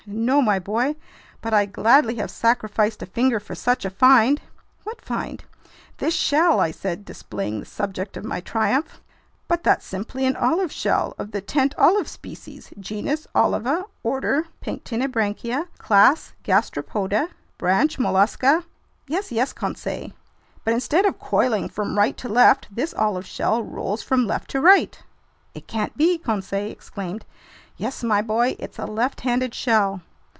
"No, my boy, but I'd gladly have sacrificed a finger for such a find!" "What find?" "This shell," I said, displaying the subject of my triumph. "But that's simply an olive shell of the 'tent olive' species, genus Oliva, order Pectinibranchia, class Gastropoda, branch Mollusca—" "Yes, yes, Conseil! But instead of coiling from right to left, this olive shell rolls from left to right!" "It can't be!" Conseil exclaimed. "Yes, my boy, it's a left handed shell!"